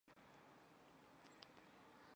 调往事务繁重的保定新城。